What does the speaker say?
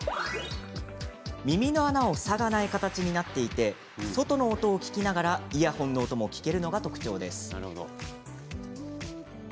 耳の穴を塞がない形になっていて外の音を聴きながらイヤホンの音も聴けるのが特徴です。